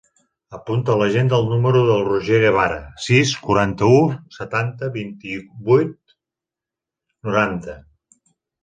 Apunta a l'agenda el número del Roger Guevara: sis, quaranta-u, setanta, vint-i-vuit, noranta.